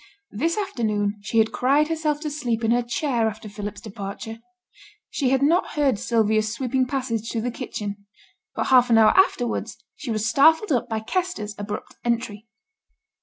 This afternoon she had cried herself to sleep in her chair after Philip's departure. She had not heard Sylvia's sweeping passage through the kitchen; but half an hour afterwards she was startled up by Kester's abrupt entry.